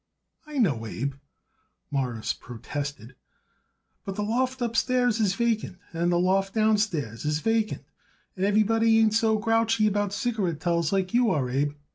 "I know, Abe," Morris protested; "but the loft upstairs is vacant and the loft downstairs is vacant, and everybody ain't so grouchy about cigarettels like you are, Abe.